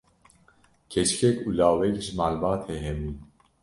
keçikek û lawek ji malbatê hebûn